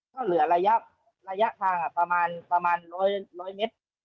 ก็เหลือระยะทางประมาณ๑๐๐เมตร